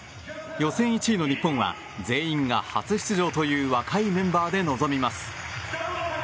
予選１位の日本は全員が初出場という若いメンバーで臨みます。